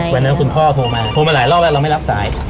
คุณพ่อโทรมาโทรมาหลายรอบแล้วเราไม่รับสาย